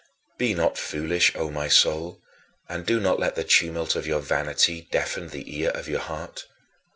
Be not foolish, O my soul, and do not let the tumult of your vanity deafen the ear of your heart.